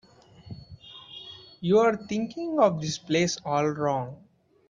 You're thinking of this place all wrong.